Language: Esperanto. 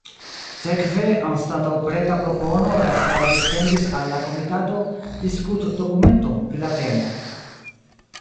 Sekve anstataŭ preta propono la estraro dissendis al la komitato "diskutdokumenton" pri la temo.